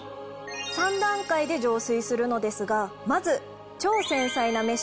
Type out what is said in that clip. ３段階で浄水するのですがまず。